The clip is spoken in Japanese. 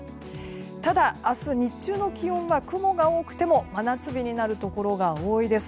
ただ、明日日中の気温は雲が多くても真夏日になるところが多いです。